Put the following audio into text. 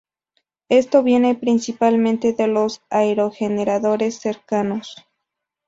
Esto viene principalmente de los aerogeneradores cercanos.